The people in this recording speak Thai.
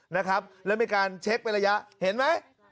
นะครับแล้วมีการเช็คเป็นระยะเห็นไหม